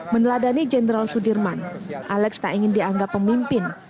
meneladani jenderal sudirman alex tak ingin dianggap pemimpin